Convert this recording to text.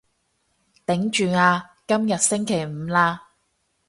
頂住啊，今日星期五喇